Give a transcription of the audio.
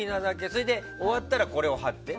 それで、終わったらこれを貼って。